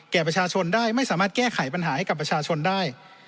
แก่ประชาชนได้ไม่สามารถแก้ไขปัญหาให้กับประชาชนได้